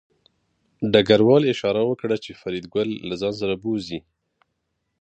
ډګروال اشاره وکړه چې فریدګل له ځان سره بوځي